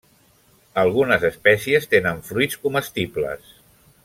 Algunes espècies tenen fruits comestibles.